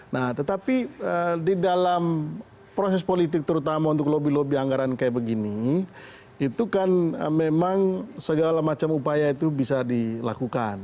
nah tetapi di dalam proses politik terutama untuk lobby lobby anggaran kayak begini itu kan memang segala macam upaya itu bisa dilakukan